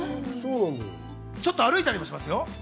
ちょっと歩いたりもしますよ。